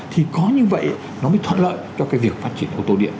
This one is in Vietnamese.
thì có như vậy nó mới thuận lợi cho cái việc phát triển ô tô điện